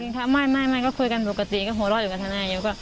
กินข้าวกินข้าวไม่ก็คุยกันปกติก็หัวรออยู่กับท่านแน่